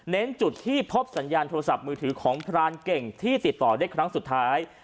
จุดที่พบสัญญาณโทรศัพท์มือถือของพรานเก่งที่ติดต่อได้ครั้งสุดท้าย